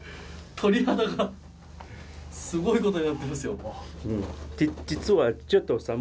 鳥肌がすごいことになってますよ。